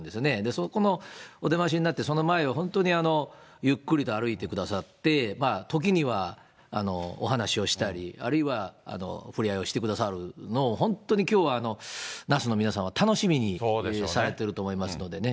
そこのお出ましになって、その前を本当にゆっくりと歩いてくださって、ときにはお話しをしたり、あるいは触れ合いをしてくださるのを本当にきょうは那須の皆さんは楽しみにされてると思いますのでね。